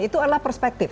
itu adalah perspektif